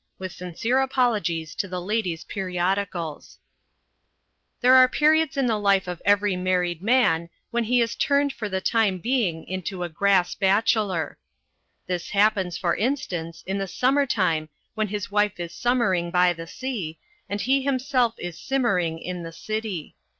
With sincere Apologies to the Ladies' Periodicals There are periods in the life of every married man when he is turned for the time being into a grass bachelor. This happens, for instance, in the summer time when his wife is summering by the sea, and he himself is simmering in the city.